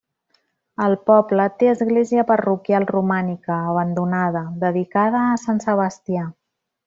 El poble té església parroquial romànica, abandonada, dedicada a Sant Sebastià.